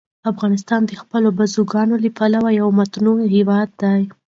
افغانستان د خپلو بزګانو له پلوه یو متنوع هېواد دی.